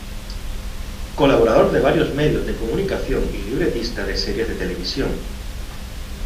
Colaborador de varios medios de comunicación y libretista de series de televisión.